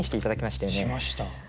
しました。